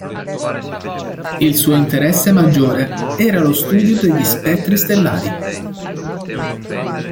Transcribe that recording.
Il suo interesse maggiore era lo studio degli spettri stellari.